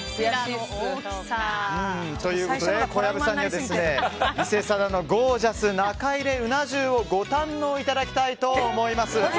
小籔さんには、伊勢定のゴージャス中入れうな重をご堪能いただきたいと思います。